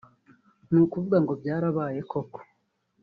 ni ukuvuga ngo ‘byarabaye koko’